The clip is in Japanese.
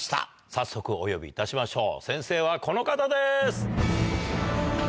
早速お呼びいたしましょう。